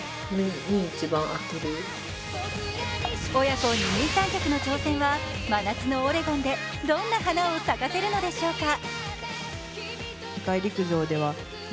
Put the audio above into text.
親子二人三脚の挑戦は真夏のオレゴンでどんな花を咲かせるのでしょうか。